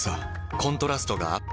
コントラストがアップ。